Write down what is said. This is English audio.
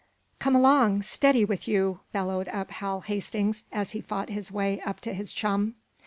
"Come along! Steady with you!" bellowed up Hal Hastings, as he fought his way up to his chum.